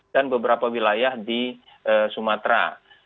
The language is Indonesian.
dan beberapa wilayah di sumatera